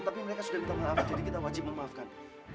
tapi mereka sudah diterima jadi kita wajib memaafkan